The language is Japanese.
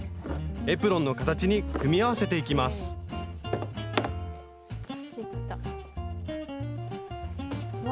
エプロンの形に組み合わせていきますわ